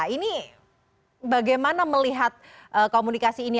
ini bagaimana melihat komunikasi ini